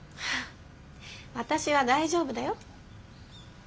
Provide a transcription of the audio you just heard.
私は大丈夫だよ。